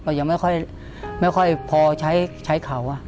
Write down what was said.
ยังไม่ค่อยพอใช้เขา